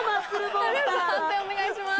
判定お願いします。